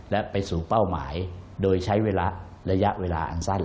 และไปสู่เป้าหมายโดยใช้ระยะเวลาอันสั้น